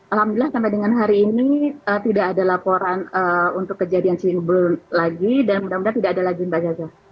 alhamdulillah sampai dengan hari ini tidak ada laporan untuk kejadian cirebon lagi dan mudah mudahan tidak ada lagi mbak gaza